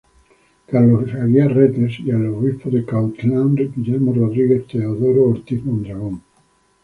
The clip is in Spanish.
Carlos Aguiar Retes y al Obispo de Cuautitlán Guillermo Rodrigo Teodoro Ortiz Mondragón.